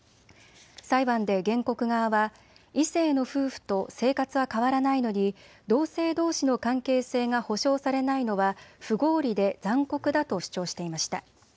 裁判で原告側は異性の夫婦と生活は変わらないのに同性どうしの関係性が保障されないのは不合理で残酷だと主張していました。